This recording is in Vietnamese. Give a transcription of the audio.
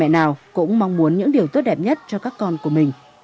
bậc cha mẹ cũng mong muốn những điều tốt đẹp nhất cho các con của mình